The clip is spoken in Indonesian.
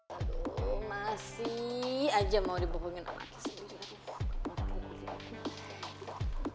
aduh masih aja mau dibohongin sama ki sendiri